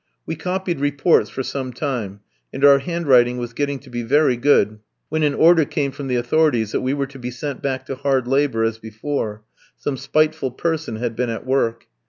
We copied reports for some time, and our handwriting was getting to be very good, when an order came from the authorities that we were to be sent back to hard labour as before; some spiteful person had been at work.